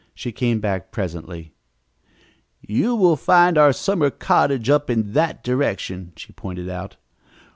She came back presently. "You will find our summer cottage up in that direction," she pointed out.